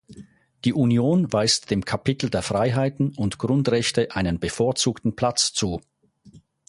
Die Union weist dem Kapitel der Freiheiten und Grundrechte einen bevorzugten Platz zu.